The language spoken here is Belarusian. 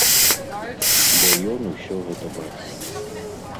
Бо ён усё гэта бачыў.